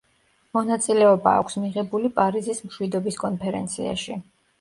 მონაწილეობა აქვს მიღებული პარიზის მშვიდობის კონფერენციაში.